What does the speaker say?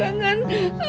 aku discutir pak